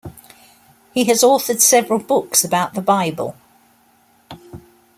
He has authored several books about the Bible.